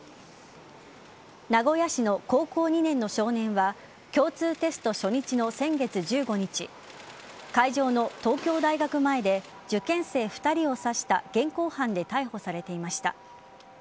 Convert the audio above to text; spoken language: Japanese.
名古屋市の高校２年の少年は共通テスト初日の先月１５日会場の東京大学前で受験生２人を刺した現行犯で逮捕されていました。